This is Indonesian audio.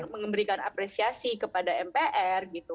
mengberikan apresiasi kepada mpr